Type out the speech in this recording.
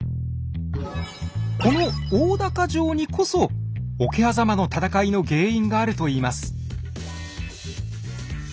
この大高城にこそ桶狭間の戦いの原因があるといいます。